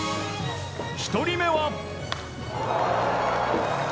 １人目は。